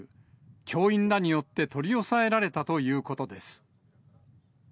教員らによって取り押さえられたということです。